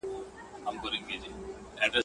چي حاجي حاجي لري، اخر به حاجي سې.